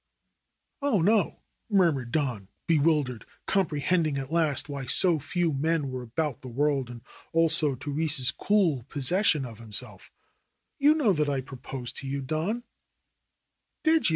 "Oh, no," murmured Don, bewildered, comprehending at last why so few men were about the world and also Therese's cool possession of himself. "You know that I proposed to you, Don."